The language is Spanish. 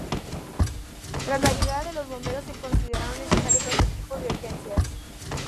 Tras la llegada de los bomberos, se consideraron necesarios los equipos de urgencias.